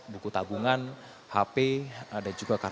buku tabungan hp dan kartu atm